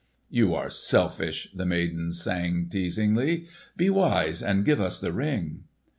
"You are selfish," the maidens sang teasingly. "Be wise and give us the Ring!"